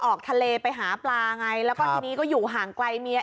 ออกทะเลไปหาปลาไงแล้วก็ทีนี้ก็อยู่ห่างไกลเมีย